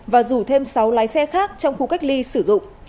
và rủ thêm sáu lái xe khác trong khu cách ly sử dụng